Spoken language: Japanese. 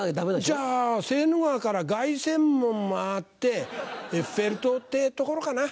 じゃあセーヌ川から凱旋門回ってエッフェル塔ってところかな？